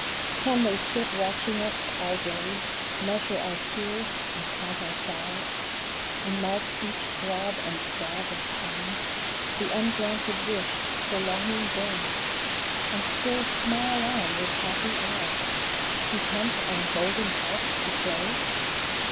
Can they sit watching us all day, Measure our tears, and count our sighs, And mark each throb and stab of pain, The ungranted wish, the longing vain, And still smile on with happy eyes, Content on golden harps to play